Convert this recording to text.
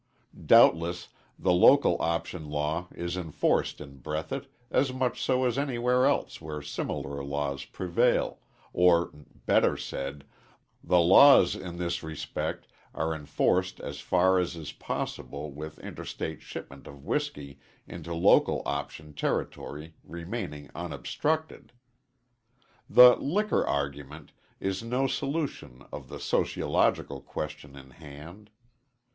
Doubtless the local option law is enforced in Breathitt as much so as anywhere else where similar laws prevail, or, better said, the laws in this respect are enforced as far as is possible with interstate shipment of whiskey into local option territory remaining unobstructed. The "liquor argument" is no solution of the sociological question in hand.